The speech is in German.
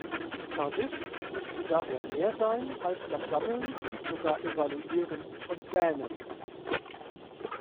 Cardiff müsste daher mehr sein als das Sammeln und sogar Evaluieren von Plänen.